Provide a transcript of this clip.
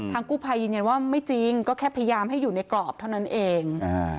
กู้ภัยยืนยันว่าไม่จริงก็แค่พยายามให้อยู่ในกรอบเท่านั้นเอง